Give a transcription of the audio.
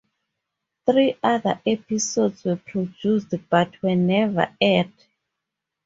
Three other episodes were produced, but were never aired.